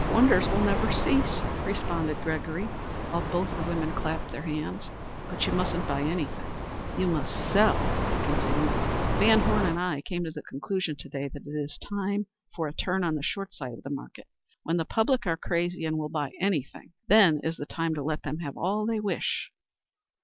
Wonders will never cease," responded Gregory, while both the women clapped their hands. "But you musn't buy anything; you must sell," he continued. "VanHorne and I both came to the conclusion to day that it is time for a turn on the short side of the market. When the public are crazy and will buy any thing, then is the time to let them have all they wish."